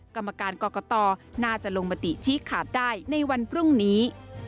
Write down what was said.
กรรมการกรกตน่าจะลงมติชี้ขาดได้ในวันพรุ่งนี้